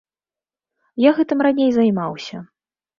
Я гэтым раней займаўся.